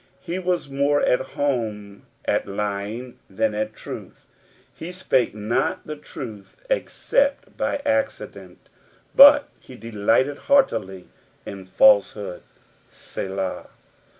'^ He was more at heme at lying than at truth. He spake not the truth except by accident, but he delighted heaitilv ia falsehood. "Bblab."